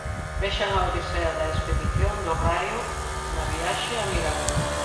Vexan a odisea da expedición do Raio na viaxe a Miranda.